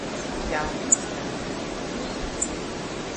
Yayut ga mlikuy?